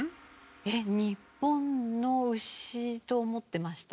えっ日本の牛と思ってました。